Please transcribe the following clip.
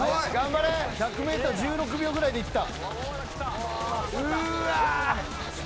１００メートル１６秒くらいでいった。